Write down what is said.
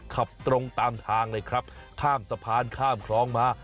ขับตรงตามทางเลยครับข้ามสะพานข้ามคลองมา